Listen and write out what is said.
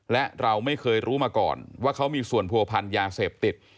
และเราไม่เคยรู้มาก่อนว่าเขามีส่วนผัวพันธ์ยาเสพติด